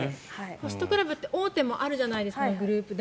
ホストクラブって大手もあるじゃないですか。